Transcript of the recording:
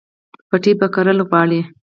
پټی به کرل غواړي